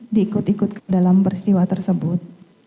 di ikut ikut ke dalam peristiwa tersebut